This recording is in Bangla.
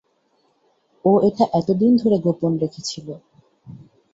ও এটা এতদিন ধরে গোপন রেখেছিলো।